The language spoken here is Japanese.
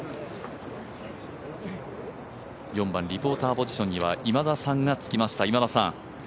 ４番、リポーターポジションには今田さんが着きました。